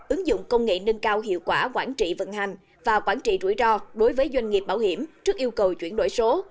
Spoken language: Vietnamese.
ứng dụng công nghệ nâng cao hiệu quả quản trị vận hành và quản trị rủi ro đối với doanh nghiệp bảo hiểm trước yêu cầu chuyển đổi số